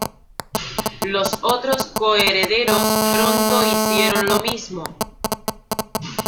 Los otros co-herederos pronto hicieron lo mismo.